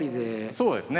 そうですね。